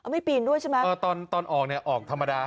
ไม่ปีนด้วยใช่ไหมเออตอนตอนออกเนี่ยออกธรรมดา